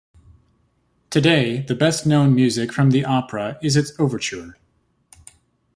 Today, the best-known music from the opera is its overture.